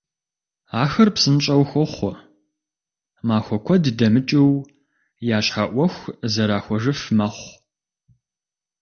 Ахэр псынщIэу хохъуэ, махуэ куэд дэмыкIыу я щхьэ Iуэху зэрахуэжыф мэхъу.